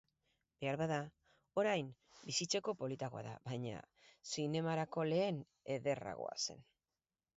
Beharbada orain bizitzeko politagoa da, baina zinemarako lehen ederragoa zen.